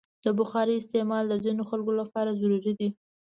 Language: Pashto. د بخارۍ استعمال د ځینو خلکو لپاره ضروري دی.